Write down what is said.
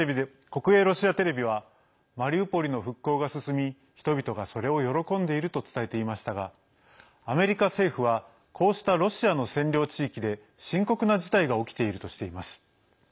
国営ロシアテレビはマリウポリの復興が進み人々がそれを喜んでいると伝えていましたがアメリカ政府はこうしたロシアの占領地域で深刻な事態が起きているとしています。